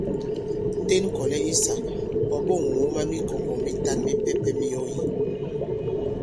Ten ŋ̀kɔ̀lɛ insāk, ɔ̀ ɓôŋ mǒ ma mikɔ̀ŋgɔ̀ mitan mipɛpɛ̄ mi ɔ yī.